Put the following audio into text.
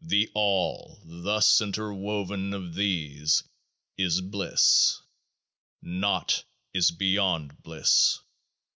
The All, thus interwoven of These, is Bliss. Naught is beyond Bliss.